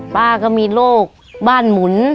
ป้าก็มีโรคบ้านหมุน